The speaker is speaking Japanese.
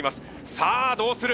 さあどうする！？